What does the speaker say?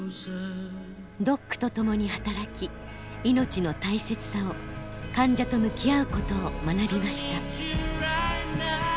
ドックと共に働き命の大切さを患者と向き合うことを学びました。